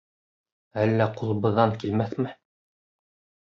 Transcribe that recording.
— Әллә ҡулыбыҙҙан килмәҫме?!